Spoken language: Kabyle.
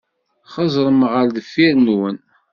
Xeẓẓṛem ar deffir-nwen.